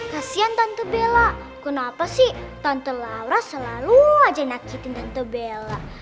kasian tante bella kenapa sih tante laura selalu aja nakitin tante bella